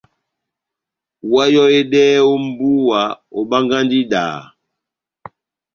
Oháyohedɛhɛ ó mbúwa, obángahi idaha.